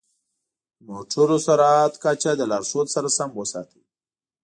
د موټرو د سرعت کچه د لارښود سره سم وساتئ.